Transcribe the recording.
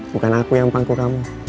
bukan aku yang pangkul kamu